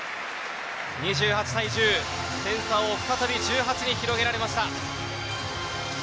２８対１０、点差を再び１８に広げられました。